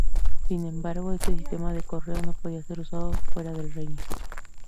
Sin embargo, este sistema de correo no podía ser usado fuera del reino.